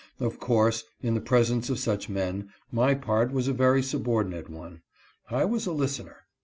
Of course, in the presence of such men, my part was a very subordi nate one. I was a listener.